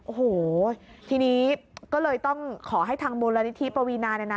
โอ้โหทีนี้ก็เลยต้องขอให้ทางมูลนิธิปวีนาเนี่ยนะ